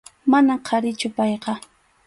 Manam qharichu payqa.